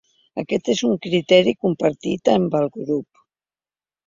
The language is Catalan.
Aquest és un criteri compartit en el grup.